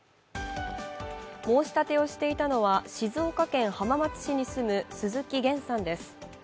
申し立てをしていたのは静岡県浜松市に住む鈴木げんさんです。